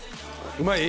うまい？